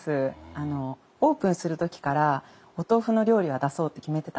あのオープンする時からお豆腐の料理は出そうって決めてたんですよ。